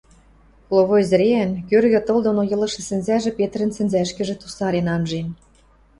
Кловой цӹреӓн, кӧргӹ тыл доно йылышы сӹнзӓжӹ Петрӹн сӹнзӓшкӹжӹ тусарен анжен.